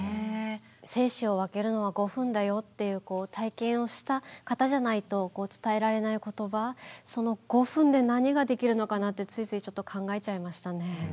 生死を分けるのは５分だよっていう体験をした方じゃないと伝えられない言葉その５分で何ができるのかなってついついちょっと考えちゃいましたね。